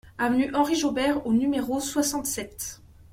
Avenue Henri Jaubert au numéro soixante-sept